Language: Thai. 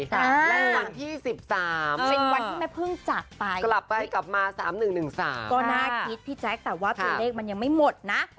วันที่แม่พึ่งจากไปก็น่าคิดพี่แจ๊คแต่ว่าปีเลขมันยังไม่หมดนะ